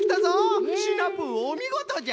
シナプーおみごとじゃ！